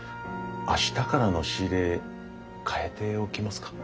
明日からの仕入れ変えておきますか？